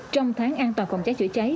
trong tháng an toàn phòng cháy chữa cháy